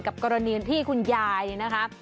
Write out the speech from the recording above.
กับกรณีที่คุณยายนี่นะคะ